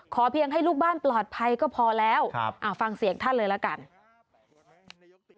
เพียงให้ลูกบ้านปลอดภัยก็พอแล้วฟังเสียงท่านเลยละกัน